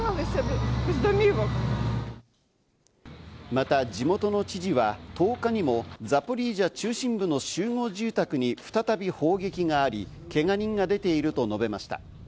また地元の知事は、１０日にもザポリージャ中心部の集合住宅に再び砲撃があり、けが人が出ていると述べました。